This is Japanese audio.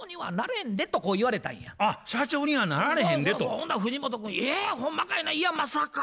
ほな藤本君「えほんまかいないやまさか」